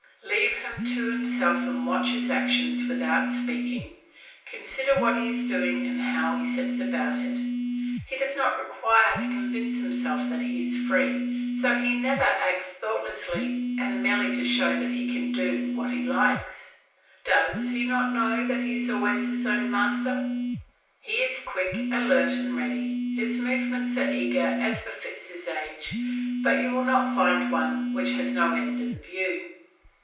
Leave him to himself and watch his actions without speaking, consider what he is doing and how he sets about it. He does not require to convince himself that he is free, so he never acts thoughtlessly and merely to show that he can do what he likes; does he not know that he is always his own master? He is quick, alert, and ready; his movements are eager as befits his age, but you will not find one which has no end in view.